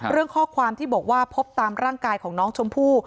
ข้อความที่บอกว่าพบตามร่างกายของน้องชมพู่